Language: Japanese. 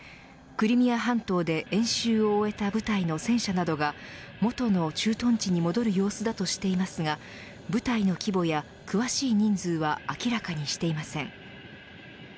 クリミア半島で演習を終えた部隊の戦車などが元の駐屯地に戻る様子だとしていますが部隊の規模や詳しい人数は明らかにしていません。